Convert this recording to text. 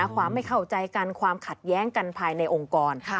ความไม่เข้าใจกันความขัดแย้งกันภายในองค์กร